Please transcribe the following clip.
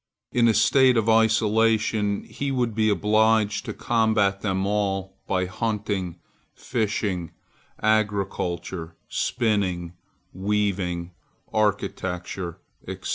In a state of isolation, he would be obliged to combat them all by hunting, fishing, agriculture, spinning, weaving, architecture, etc.